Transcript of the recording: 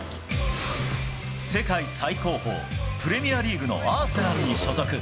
世界最高峰、プレミアリーグのアーセナルに所属。